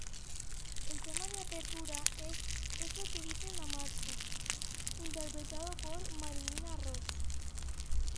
El tema de apertura es "Esos que dicen amarse" interpretado por Marilina Ross.